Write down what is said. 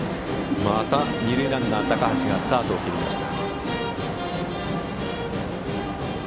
また二塁ランナー、高橋がスタートを切りました。